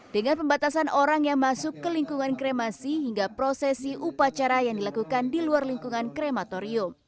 dengan pembatasan orang yang masuk ke lingkungan kremasi hingga prosesi upacara yang dilakukan di luar lingkungan krematorium